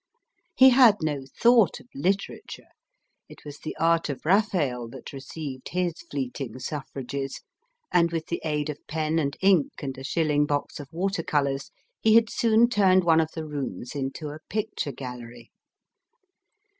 He had no thought of literature ; it was the art of Raphael that received his fleeting suffrages ; and with the aid of pen and ink and a shilling box of water colours, he had soon turned one of the rooms into a picture gallery.